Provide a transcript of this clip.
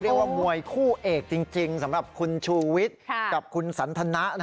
เรียกว่ามวยคู่เอกจริงสำหรับคุณชูวิทย์กับคุณสันทนะ